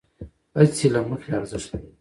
هڅې له مخې ارزښت لرې،